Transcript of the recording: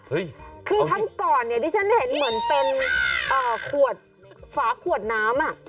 คือทั้งก่อนเนี่ยดิฉันเห็นเหมือนเป็นขวดฝาขวดน้ำอ่ะ